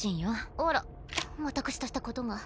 あら私としたことが。